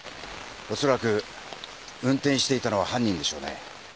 恐らく運転していたのは犯人でしょうね。